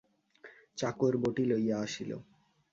চাকর বঁটি লইয়া আসিল।